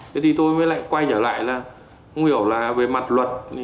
thế thì tôi mới lại quay trở lại là không hiểu là về mặt luật